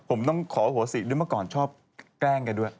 ผมต้องขอโหสิด้วยเมื่อก่อนชอบแกล้งกันด้วย